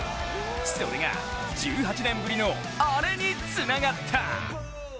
それが１８年ぶりのアレにつながった。